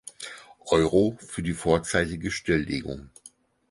Euro für die vorzeitige Stilllegung.